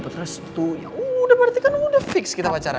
terus tuh ya udah berarti kan udah fix kita pacaran